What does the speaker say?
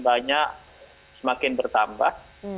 banyak semakin bertambah